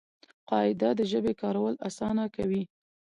قاعده د ژبي کارول آسانه کوي.